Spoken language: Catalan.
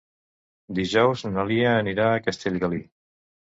Dijous na Lia anirà a Castellgalí.